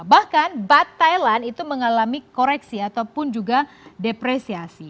bahkan bat thailand itu mengalami koreksi ataupun juga depresiasi